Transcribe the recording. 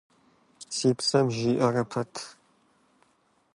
Си псэм жиӀарэ пэт…